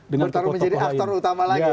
bertarung menjadi aktor utama lagi